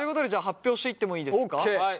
発表していってもいいですか？